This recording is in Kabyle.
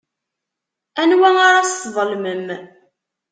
Anwa ara tesḍelmem?